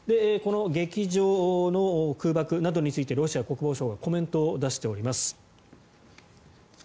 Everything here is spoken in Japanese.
この劇場の空爆などについてロシア国防省がコメントを出しております。